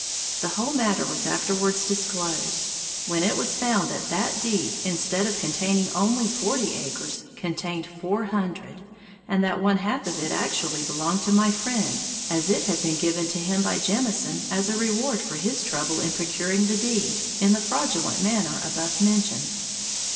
The whole matter was afterwards disclosed; when it was found that that deed instead of containing only forty acres, contained four hundred, and that one half of it actually belonged to my friend, as it had been given to him by Jemison as a reward for his trouble in procuring the deed, in the fraudulent manner above mentioned.